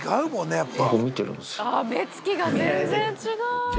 目つきが全然違う。